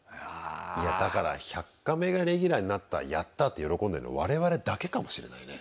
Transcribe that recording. いやだから「１００カメ」がレギュラーになったやった！って喜んでるの我々だけかもしれないね。